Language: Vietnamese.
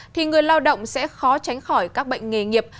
thì người lao động sẽ khó tránh khỏi các bệnh nghề nghiệp